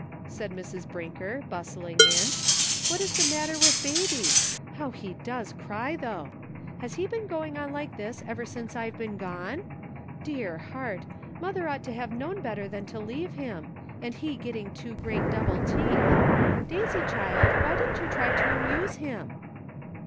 said Mrs. Brinker, bustling in, " what is the matter with Baby ? How he does cry, though ! Has he been going on like this ever since I've been gone ? Dear heart ! mother ought to have known better than to leave him, and he getting two great double teeth! Daisy, child, why didn't you try to amuse him?"